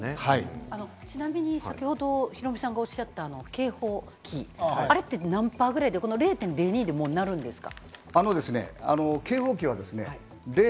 ちなみに、先ほどヒロミさんがおっしゃった警報機、あれって何％ぐらいで、０．０２でなるんですか？